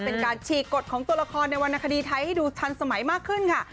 เป็นการฉีกกฎของตัวละครในวรรณคดีไทยให้ดูทันสมัยมากขึ้นค่ะ